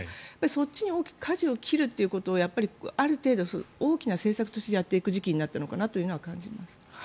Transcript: そっちに大きくかじを切るということをある程度大きな政策としてやっていく時期になったのかと感じます。